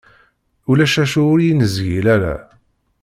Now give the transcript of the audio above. Ulac acu ur yi-nezgil ara.